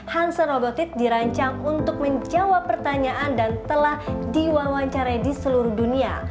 hansen robotik dirancang untuk menjawab pertanyaan dan telah diwawancarai di seluruh dunia